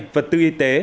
vật tư y tế